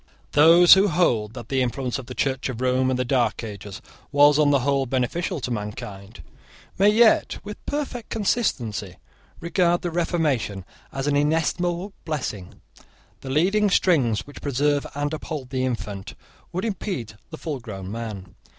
Those who hold that the influence of the Church of Rome in the dark ages was, on the whole, beneficial to mankind, may yet with perfect consistency regard the Reformation as an inestimable blessing. The leading strings, which preserve and uphold the infant, would impede the fullgrown man.